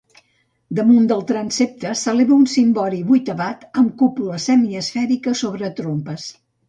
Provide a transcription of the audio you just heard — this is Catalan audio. Damunt del transsepte, s'eleva un cimbori vuitavat amb cúpula semiesfèrica sobre trompes.